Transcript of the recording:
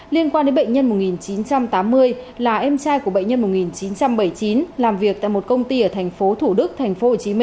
liên quan đến bệnh nhân một nghìn chín trăm tám mươi là em trai của bệnh nhân một nghìn chín trăm bảy mươi chín làm việc tại một công ty ở tp thủ đức tp hcm